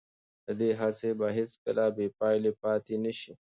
د ده هڅې به هیڅکله بې پایلې پاتې نه شي.